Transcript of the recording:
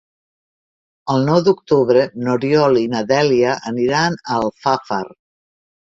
El nou d'octubre n'Oriol i na Dèlia aniran a Alfafar.